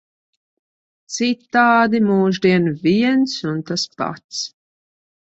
Citādi mūždien viens un tas pats.